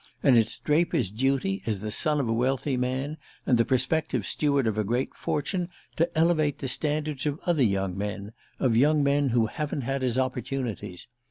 And it's Draper's duty, as the son of a wealthy man, and the prospective steward of a great fortune, to elevate the standards of other young men of young men who haven't had his opportunities.